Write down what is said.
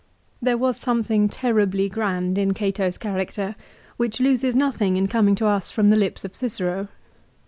3 There was something terribly grand in Cato's character which loses nothing in coming to us from the lips of Cicero.